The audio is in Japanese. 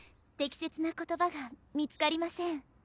適切な言葉が見つかりません